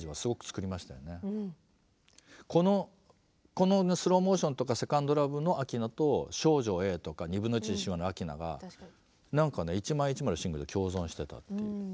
この「スローモーション」とか「セカンド・ラブ」の明菜と「少女Ａ」とか「1/2の神話」の明菜がなんかね一枚一枚のシングルで共存してたっていう。